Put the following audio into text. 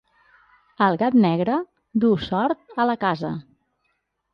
El gat negre duu sort a la casa.